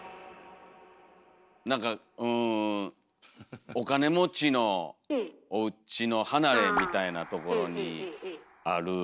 なんかうんお金持ちのおうちの離れみたいなところにある。